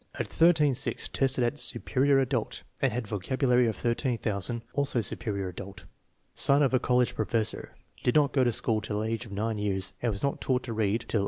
At 13 6 tested at "superior adult," and had vocabulary of 13,000 (also "superior adult") Son of a college professor. Did not go to school till age of 9 years and was not taught to read till 8J^.